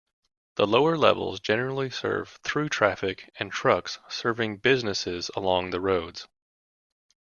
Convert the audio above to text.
The lower levels generally serve through-traffic and trucks serving businesses along the roads.